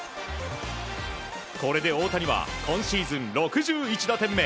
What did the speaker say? これで大谷は今シーズン６１打点目。